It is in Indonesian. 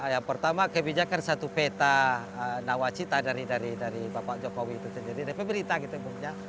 yang pertama kebijakan satu peta nawacita dari bapak jokowi itu sendiri dari pemerintah gitu ya